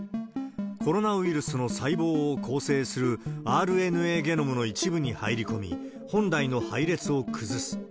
コロナウイルスの細胞を構成するＲＮＡゲノムの一部に入り込み、本来の配列を崩す。